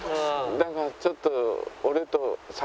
だからちょっと。